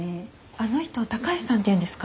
あの人高橋さんっていうんですか？